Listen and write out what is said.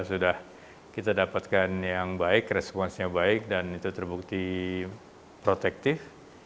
sudah kita dapatkan yang baik responsnya baik dan itu terbukti protektif